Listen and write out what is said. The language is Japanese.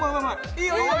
いいよいいよ。